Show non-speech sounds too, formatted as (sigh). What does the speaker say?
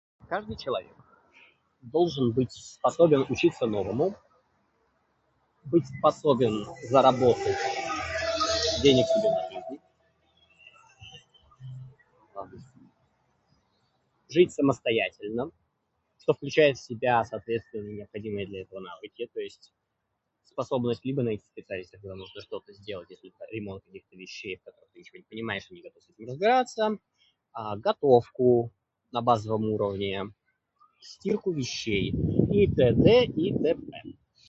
Каждый человек должен быть способен учиться новому, быть способен заработать денег себе на жизнь. (unintelligible) Жить самостоятельно. Что включает в себя, соответственно, необходимые для этого навыки. То есть способность либо найти специалиста, когда нужно что-то сделать, если это ремонт каких-то вещей, в которых ты ничего не понимаешь и не готов с этим разбираться, [disfluency|а] , готовку (на базовом уровне), стирку вещей итд итп.